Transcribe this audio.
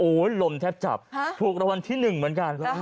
โอ้โหลมแทบจับถูกระวังที่หนึ่งเหมือนกัน